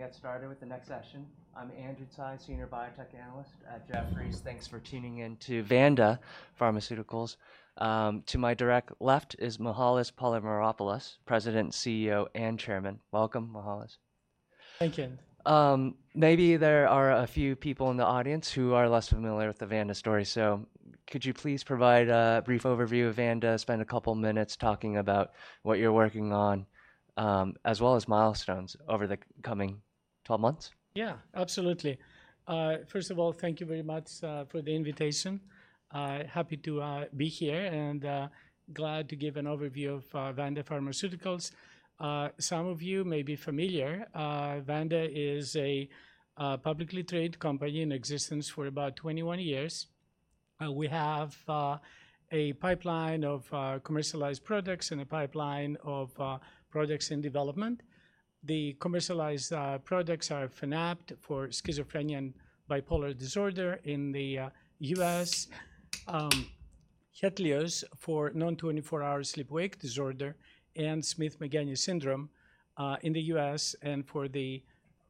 We're going to get started with the next session. I'm Andrew Tsai, Senior Biotech Analyst at Jefferies. Thanks for tuning in to Vanda Pharmaceuticals. To my direct left is Mihael Polymeropoulos, President, CEO, and Chairman. Welcome, Mihael. Thank you. Maybe there are a few people in the audience who are less familiar with the Vanda story. So could you please provide a brief overview of Vanda, spend a couple of minutes talking about what you're working on, as well as milestones over the coming 12 months? Yeah, absolutely. First of all, thank you very much for the invitation. Happy to be here and glad to give an overview of Vanda Pharmaceuticals. Some of you may be familiar. Vanda is a publicly traded company in existence for about 21 years. We have a pipeline of commercialized products and a pipeline of products in development. The commercialized products are Fanapt for schizophrenia and bipolar disorder in the U.S., Hetlioz for Non-24-Hour Sleep-Wake Disorder, and Smith-Magenis syndrome in the U.S. and for the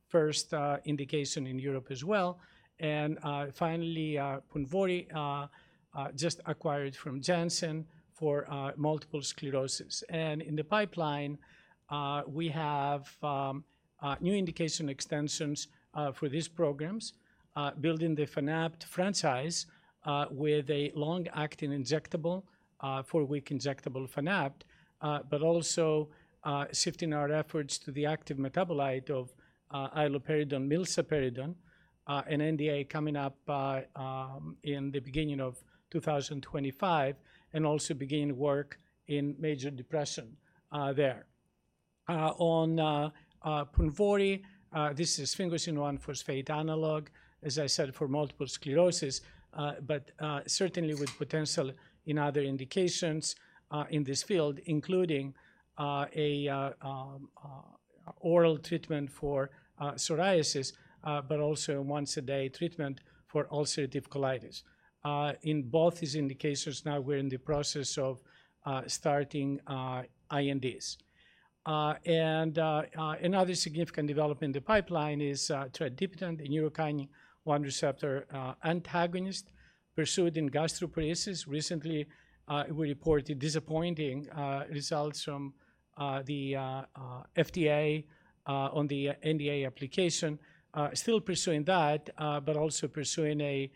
first indication in Europe as well. And finally, Ponvory, just acquired from Janssen for multiple sclerosis. In the pipeline, we have new indication extensions for these programs, building the Fanapt franchise with a long-acting injectable four-week injectable Fanapt, but also shifting our efforts to the active metabolite of iloperidone and milsaperidone, an NDA coming up in the beginning of 2025, and also beginning work in major depression there. On Ponvory, this is an S1P analog, as I said, for multiple sclerosis, but certainly with potential in other indications in this field, including an oral treatment for psoriasis, but also a once-a-day treatment for ulcerative colitis. In both these indications, now we're in the process of starting INDs. Another significant development in the pipeline is tradipitant, the neurokinin-1 receptor antagonist pursued in gastroparesis. Recently, we reported disappointing results from the FDA on the NDA application, still pursuing that, but also pursuing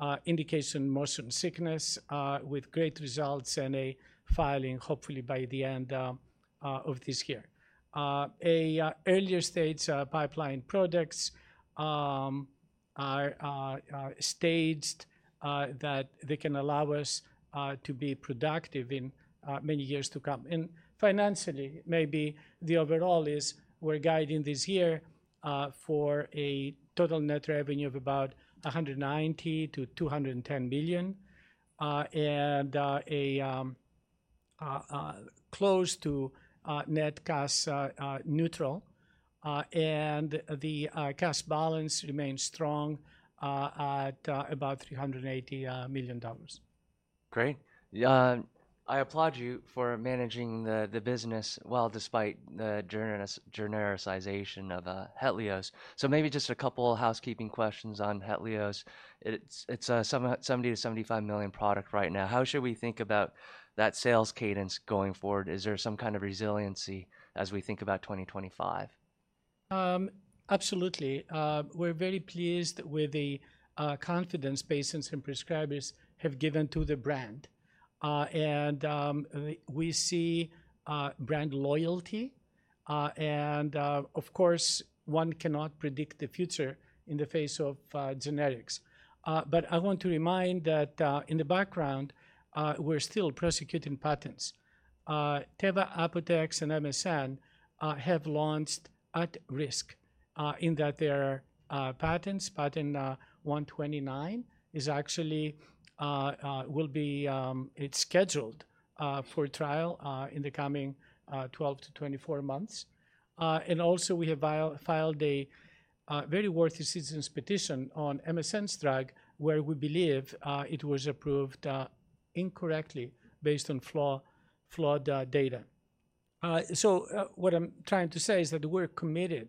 an indication of motion sickness with great results and a filing, hopefully, by the end of this year. Earlier stage pipeline products are staged that they can allow us to be productive in many years to come. And financially, maybe the overall is we're guiding this year for a total net revenue of about $190-$210 million and close to net cost neutral. And the cash balance remains strong at about $380 million. Great. I applaud you for managing the business well despite the genericization of Hetlioz. So maybe just a couple of housekeeping questions on Hetlioz. It's a $70-$75 million product right now. How should we think about that sales cadence going forward? Is there some kind of resiliency as we think about 2025? Absolutely. We're very pleased with the confidence patients and prescribers have given to the brand. We see brand loyalty. Of course, one cannot predict the future in the face of generics. I want to remind that in the background, we're still prosecuting patents. Teva, Apotex and MSN have launched at risk in that their patents, Patent 129, is actually will be scheduled for trial in the coming 12-24 months. Also, we have filed a very worthy citizens' petition on MSN's drug, where we believe it was approved incorrectly based on flawed data. What I'm trying to say is that we're committed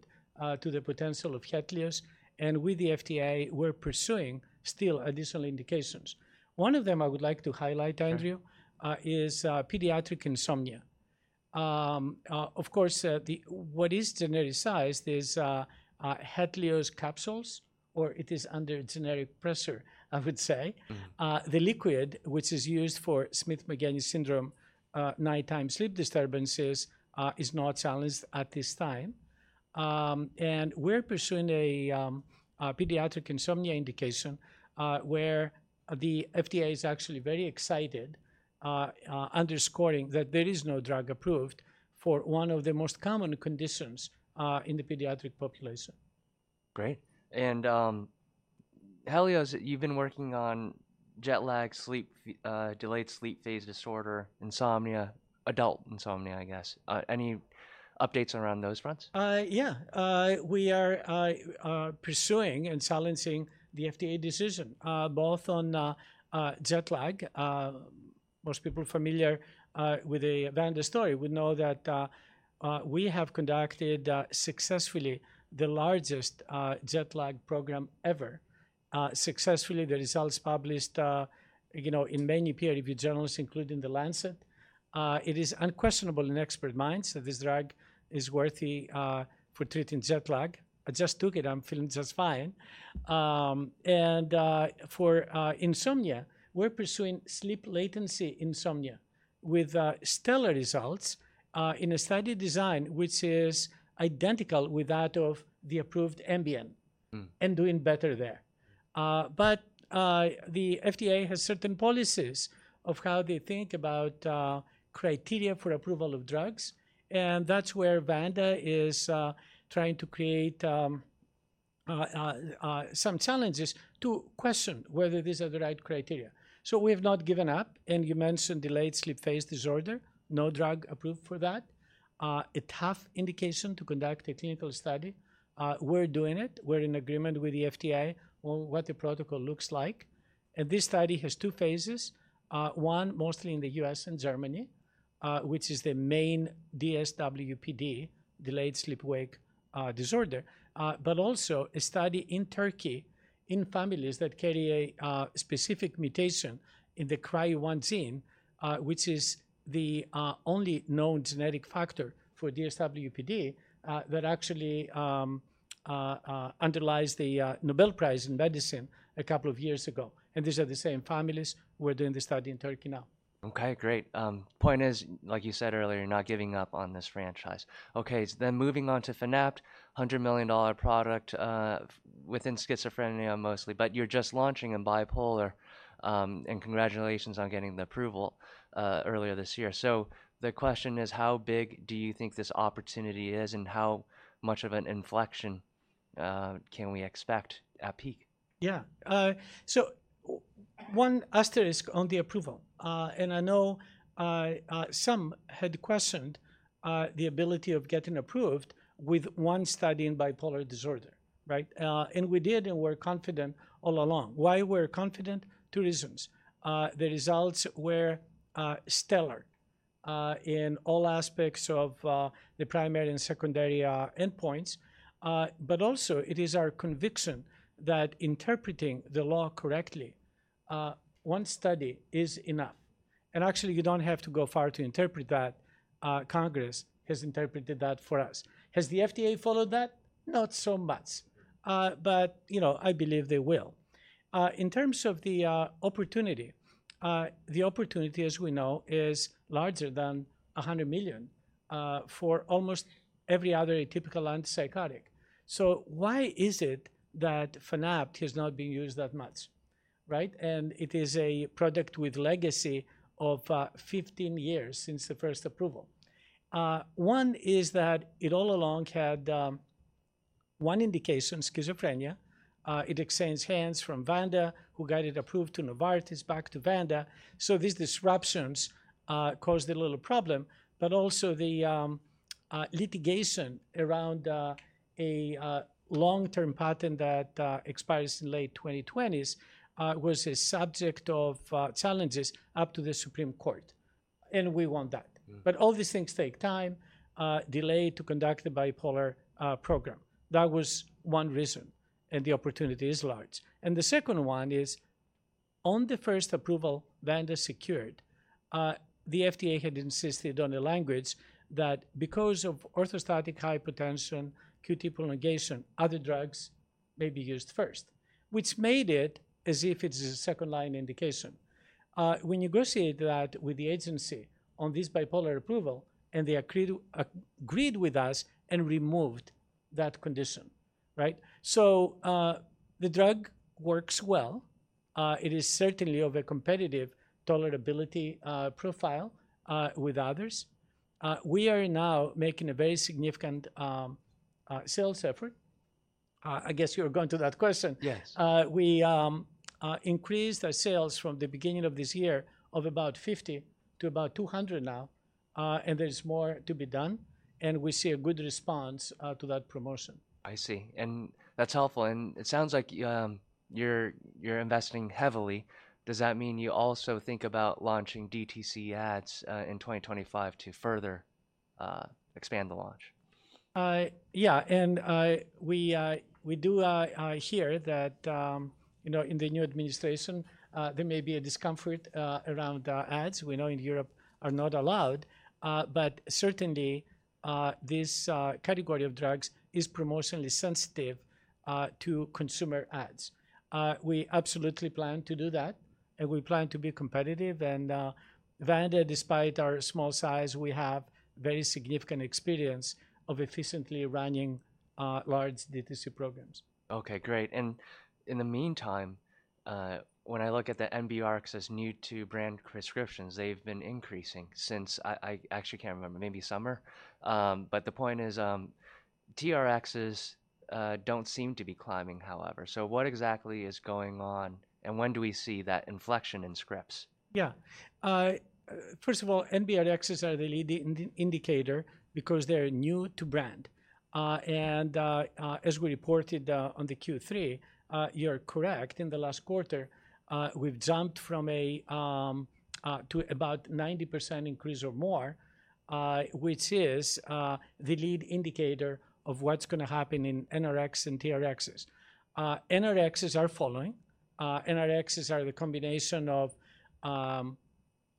to the potential of Hetlioz. With the FDA, we're pursuing still additional indications. One of them I would like to highlight, Andrew, is pediatric insomnia. Of course, what is genericized is Hetlioz capsules, or it is under generic pressure, I would say. The liquid, which is used for Smith-Magenis syndrome nighttime sleep disturbances, is not challenged at this time. And we're pursuing a pediatric insomnia indication where the FDA is actually very excited, underscoring that there is no drug approved for one of the most common conditions in the pediatric population. Great. Hetlioz, you've been working on jet lag, sleep, delayed sleep phase disorder, insomnia, adult insomnia, I guess. Any updates around those fronts? Yeah, we are pursuing and challenging the FDA decision, both on jet lag. Most people familiar with the Vanda story would know that we have conducted successfully the largest jet lag program ever. Successfully, the results published in many peer-reviewed journals, including The Lancet. It is unquestionable in expert minds that this drug is worthy for treating jet lag. I just took it. I'm feeling just fine. And for insomnia, we're pursuing sleep latency insomnia with stellar results in a study design which is identical with that of the approved Ambien and doing better there. But the FDA has certain policies of how they think about criteria for approval of drugs. And that's where Vanda is trying to create some challenges to question whether these are the right criteria. So we have not given up. And you mentioned delayed sleep phase disorder. No drug approved for that. A tough indication to conduct a clinical study. We're doing it. We're in agreement with the FDA on what the protocol looks like, and this study has two phases, one mostly in the U.S. and Germany, which is the main DSWPD, delayed sleep-wake disorder, but also a study in Turkey in families that carry a specific mutation in the CRY1 gene, which is the only known genetic factor for DSWPD that actually underlies the Nobel Prize in Medicine a couple of years ago, and these are the same families. We're doing the study in Turkey now. Okay, great. Point is, like you said earlier, you're not giving up on this franchise. Okay, then moving on to Fanapt, $100 million product within schizophrenia mostly, but you're just launching a bipolar. And congratulations on getting the approval earlier this year. So the question is, how big do you think this opportunity is and how much of an inflection can we expect at peak? Yeah. One asterisk on the approval. I know some had questioned the ability of getting approved with one study in bipolar disorder, right? We did and we're confident all along. Why we're confident? Two reasons. The results were stellar in all aspects of the primary and secondary endpoints. It is our conviction that interpreting the law correctly, one study is enough. Actually, you don't have to go far to interpret that. Congress has interpreted that for us. Has the FDA followed that? Not so much. I believe they will. In terms of the opportunity, the opportunity, as we know, is larger than $100 million for almost every other atypical antipsychotic. Why is it that Fanapt has not been used that much, right? It is a product with legacy of 15 years since the first approval. One is that it all along had one indication, schizophrenia. It exchanged hands from Vanda, who got it approved to Novartis, back to Vanda, so these disruptions caused a little problem, but also the litigation around a long-term patent that expires in late 2020s was a subject of challenges up to the Supreme Court, and we want that, but all these things take time, delay to conduct the bipolar program. That was one reason, and the opportunity is large, and the second one is, on the first approval Vanda secured, the FDA had insisted on the language that because of orthostatic hypotension, QT prolongation, other drugs may be used first, which made it as if it's a second-line indication. We negotiated that with the agency on this bipolar approval, and they agreed with us and removed that condition, right, so the drug works well. It is certainly of a competitive tolerability profile with others. We are now making a very significant sales effort. I guess you're going to that question. Yes. We increased our sales from the beginning of this year of about 50 to about 200 now. And there's more to be done. And we see a good response to that promotion. I see. And that's helpful. And it sounds like you're investing heavily. Does that mean you also think about launching DTC ads in 2025 to further expand the launch? Yeah. And we do hear that in the new administration, there may be a discomfort around ads. We know in Europe are not allowed. But certainly, this category of drugs is promotionally sensitive to consumer ads. We absolutely plan to do that. And we plan to be competitive. And Vanda, despite our small size, we have very significant experience of efficiently running large DTC programs. Okay, great. And in the meantime, when I look at the NBRx's new-to-brand prescriptions, they've been increasing since I actually can't remember, maybe summer. But the point is, TRXs don't seem to be climbing, however. So what exactly is going on? And when do we see that inflection in scripts? Yeah. First of all, NBRx is our leading indicator because they're new to brand. And as we reported on the Q3, you're correct, in the last quarter, we've jumped from a to about 90% increase or more, which is the lead indicator of what's going to happen in NRx and TRxs. NRxs are following. NRxs are the combination of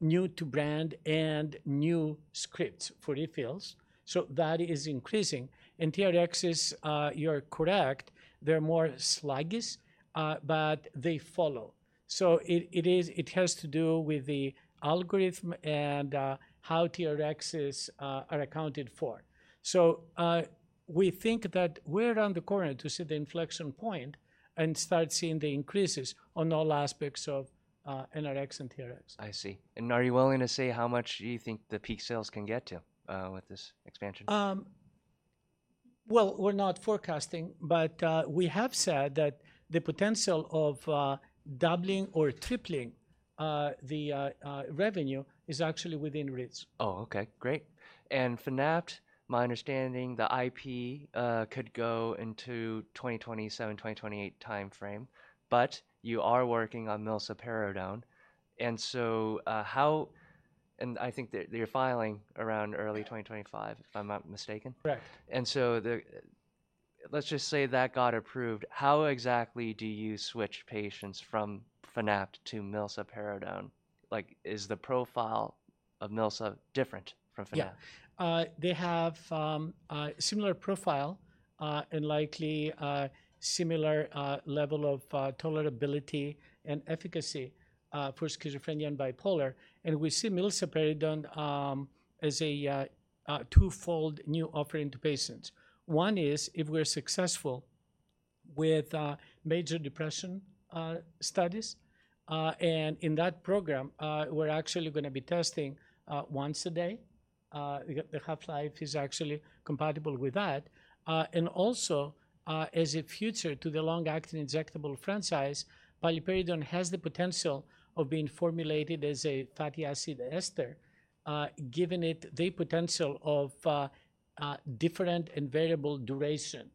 new to brand and new scripts for refills. So that is increasing. And TRxs, you're correct, they're more sluggish, but they follow. So it has to do with the algorithm and how TRxs are accounted for. So we think that we're on the corner to see the inflection point and start seeing the increases on all aspects of NRx and TRx. I see. Are you willing to say how much do you think the peak sales can get to with this expansion? Well, we're not forecasting, but we have said that the potential of doubling or tripling the revenue is actually within reach. Oh, okay, great, and Fanapt, my understanding, the IP could go into 2027-2028 timeframe, but you are working on milsaperidone, and so I think they're filing around early 2025, if I'm not mistaken. Correct. And so, let's just say that got approved. How exactly do you switch patients from Fanapt to milsaperidone? Is the profile of milsaperidone different from Fanapt? Yeah. They have a similar profile and likely similar level of tolerability and efficacy for schizophrenia and bipolar. And we see milsaperidone as a twofold new offering to patients. One is if we're successful with major depression studies. And in that program, we're actually going to be testing once a day. The half-life is actually compatible with that. And also, as a future to the long-acting injectable franchise, milsaperidone has the potential of being formulated as a fatty acid ester, given the potential of different and variable duration,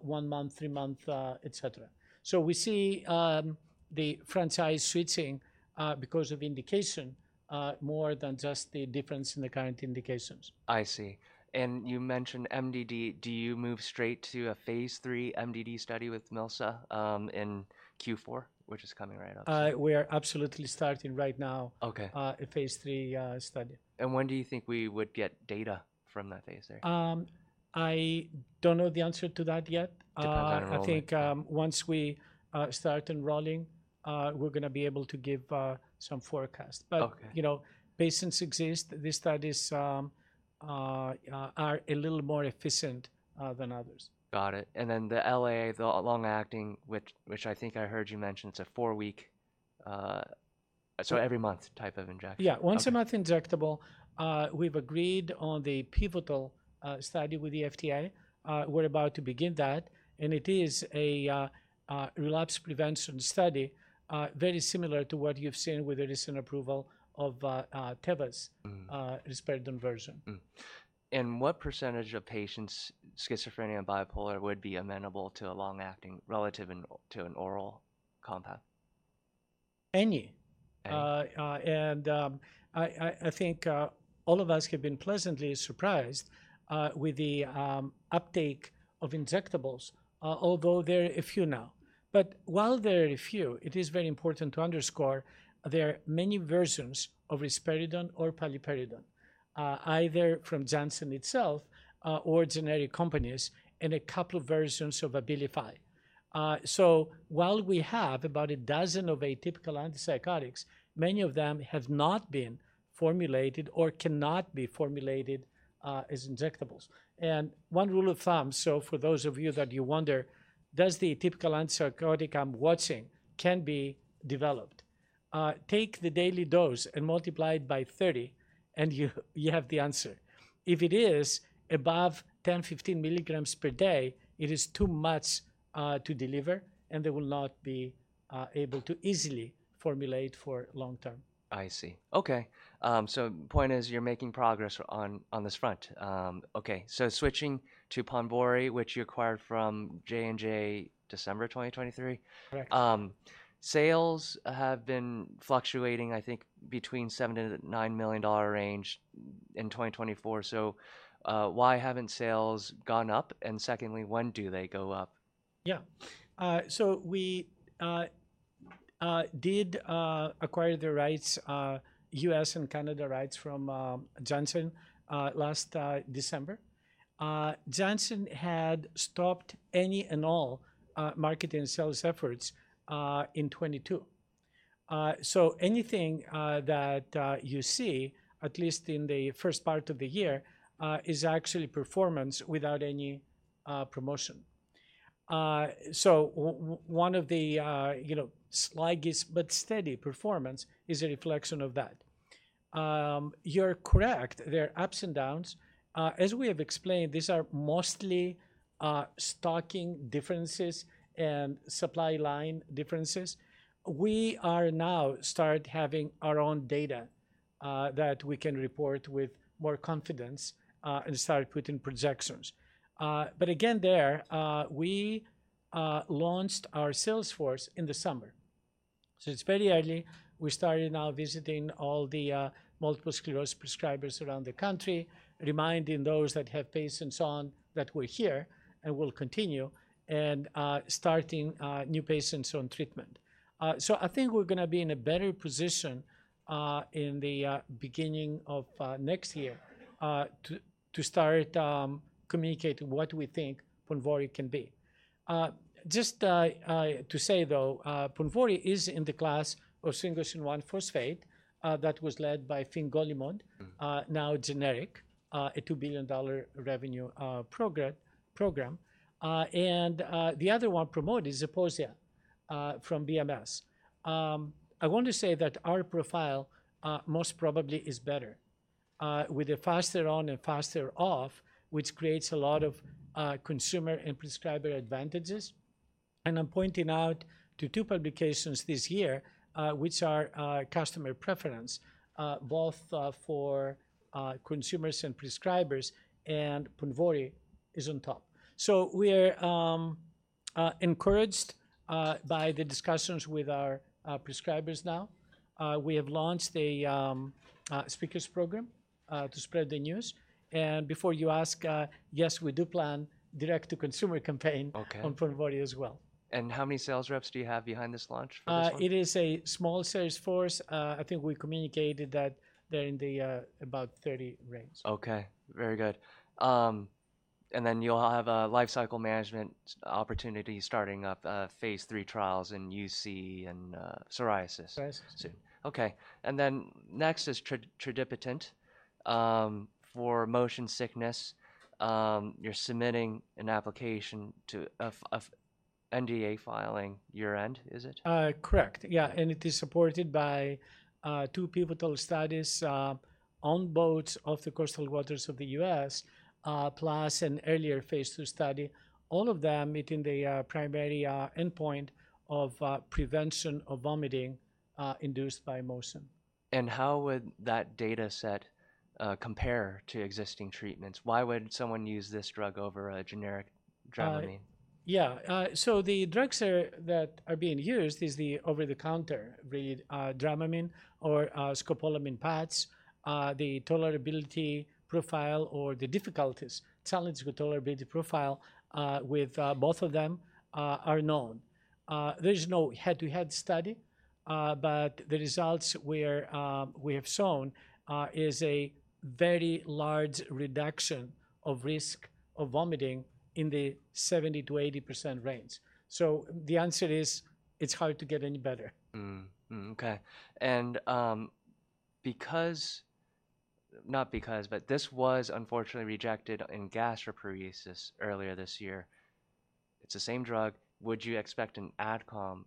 one month, three months, et cetera. So we see the franchise switching because of indication more than just the difference in the current indications. I see. And you mentioned MDD. Do you move straight to a phase three MDD study with milsaperidone in Q4, which is coming right up? We are absolutely starting right now a phase III study. When do you think we would get data from that phase III? I don't know the answer to that yet. Depends, I don't know. I think once we start enrolling, we're going to be able to give some forecast. But patients exist. These studies are a little more efficient than others. Got it. And then the LA, the long-acting, which I think I heard you mentioned, it's a four-week, so every month type of injection. Yeah, once a month injectable. We've agreed on the pivotal study with the FDA. We're about to begin that. And it is a relapse prevention study, very similar to what you've seen with the recent approval of Teva's paliperidone version. What percentage of patients' schizophrenia and bipolar would be amenable to a long-acting relative to an oral compound? Any. And I think all of us have been pleasantly surprised with the uptake of injectables, although there are a few now. But while there are a few, it is very important to underscore there are many versions of risperidone or paliperidone, either from Janssen itself or generic companies, and a couple of versions of Abilify. So while we have about a dozen of atypical antipsychotics, many of them have not been formulated or cannot be formulated as injectables. And one rule of thumb, so for those of you that you wonder, does the atypical antipsychotic I'm watching can be developed? Take the daily dose and multiply it by 30, and you have the answer. If it is above 10-15 milligrams per day, it is too much to deliver, and they will not be able to easily formulate for long term. I see. Okay. So point is, you're making progress on this front. Okay. So switching to Ponvory, which you acquired from J&J December 2023. Correct. Sales have been fluctuating, I think, between $7-$9 million range in 2024. So why haven't sales gone up? And secondly, when do they go up? Yeah. So we did acquire the rights, U.S. and Canada rights from Janssen last December. Janssen had stopped any and all marketing and sales efforts in 2022. So anything that you see, at least in the first part of the year, is actually performance without any promotion. So one of the sluggish but steady performance is a reflection of that. You're correct. There are ups and downs. As we have explained, these are mostly stocking differences and supply line differences. We are now start having our own data that we can report with more confidence and start putting projections. But again, there, we launched our sales force in the summer. So it's very early. We started now visiting all the multiple sclerosis prescribers around the country, reminding those that have patients on that we're here and will continue and starting new patients on treatment. I think we're going to be in a better position in the beginning of next year to start communicating what we think Ponvory can be. Just to say, though, Ponvory is in the class of sphingosine-1-phosphate that was led by fingolimod, now generic, a $2 billion revenue program. And the other one promoted is Zeposia from BMS. I want to say that our profile most probably is better with a faster on and faster off, which creates a lot of consumer and prescriber advantages. And I'm pointing out to two publications this year, which are customer preference, both for consumers and prescribers, and Ponvory is on top. We are encouraged by the discussions with our prescribers now. We have launched a speakers program to spread the news. And before you ask, yes, we do plan direct-to-consumer campaign on Ponvory as well. How many sales reps do you have behind this launch for this one? It is a small sales force. I think we communicated that they're in the about 30 range. Okay. Very good. And then you'll have a life cycle management opportunity starting up phase III trials in UC and psoriasis. Psoriasis. Okay. And then next is tradipitant for motion sickness. You're submitting an application to NDA filing year-end, is it? Correct. Yeah. And it is supported by two pivotal studies on boats off the coastal waters of the U.S., plus an earlier phase two study, all of them meeting the primary endpoint of prevention of vomiting induced by motion. How would that data set compare to existing treatments? Why would someone use this drug over a generic Dramamine? Yeah. So the drugs that are being used is the over-the-counter Dramamine or scopolamine patch. The tolerability profile or the difficulties, challenge with tolerability profile with both of them are known. There's no head-to-head study. But the results we have shown is a very large reduction of risk of vomiting in the 70%-80% range. So the answer is, it's hard to get any better. Okay. But this was unfortunately rejected in gastroparesis earlier this year. It's the same drug. Would you expect an adcom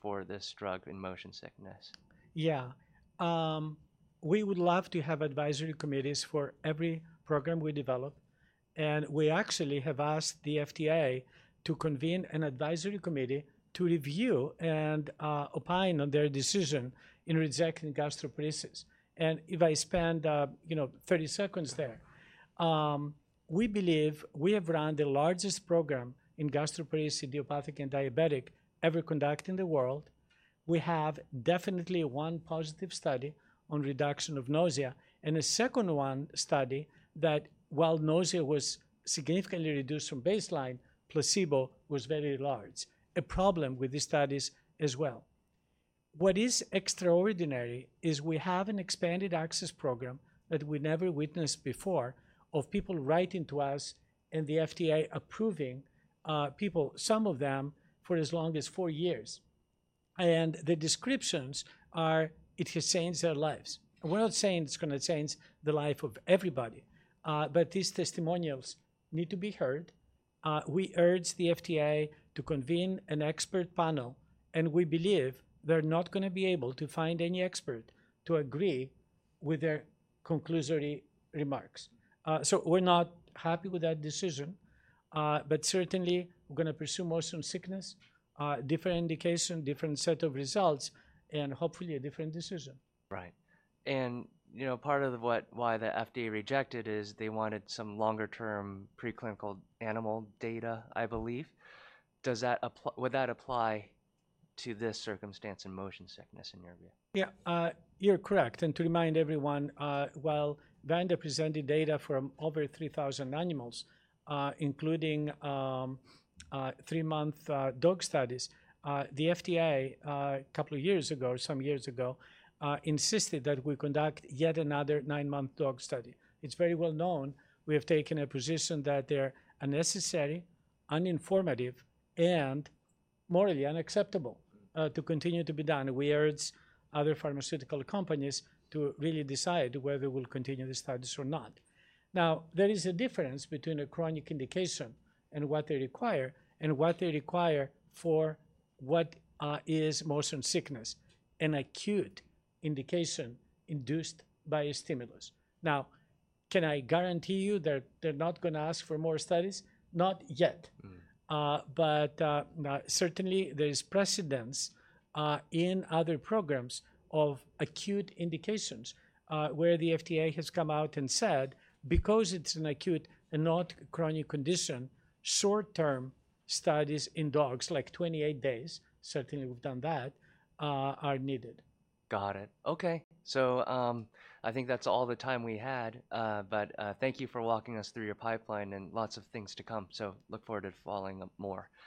for this drug in motion sickness? Yeah. We would love to have advisory committees for every program we develop. And we actually have asked the FDA to convene an advisory committee to review and opine on their decision in rejecting gastroparesis. And if I spend 30 seconds there, we believe we have run the largest program in gastroparesis, idiopathic, and diabetic ever conducted in the world. We have definitely one positive study on reduction of nausea and a second one study that while nausea was significantly reduced from baseline, placebo was very large. A problem with these studies as well. What is extraordinary is we have an expanded access program that we never witnessed before of people writing to us and the FDA approving people, some of them for as long as four years. And the descriptions are it has changed their lives. We're not saying it's going to change the life of everybody. But these testimonials need to be heard. We urge the FDA to convene an expert panel. And we believe they're not going to be able to find any expert to agree with their conclusory remarks. So we're not happy with that decision. But certainly, we're going to pursue motion sickness, different indication, different set of results, and hopefully a different decision. Right and part of why the FDA rejected is they wanted some longer-term preclinical animal data, I believe. Would that apply to this circumstance in motion sickness in your view? Yeah. You're correct. And to remind everyone, while Vanda presented data from over 3,000 animals, including three-month dog studies, the FDA a couple of years ago, some years ago, insisted that we conduct yet another nine-month dog study. It's very well known. We have taken a position that they're unnecessary, uninformative, and morally unacceptable to continue to be done. We urge other pharmaceutical companies to really decide whether we will continue the studies or not. Now, there is a difference between a chronic indication and what they require and what they require for what is motion sickness, an acute indication induced by a stimulus. Now, can I guarantee you that they're not going to ask for more studies? Not yet. But certainly, there is precedent in other programs of acute indications where the FDA has come out and said, because it's an acute and not chronic condition, short-term studies in dogs, like 28 days, certainly we've done that, are needed. Got it. Okay. So I think that's all the time we had. But thank you for walking us through your pipeline and lots of things to come. So look forward to following more.